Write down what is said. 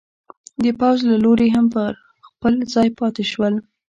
د پوځ له لوري هم پر خپل ځای پاتې شول.